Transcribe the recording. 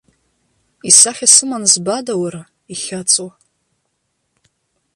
Исахьа сыман збада, уара, ихьаҵуа?!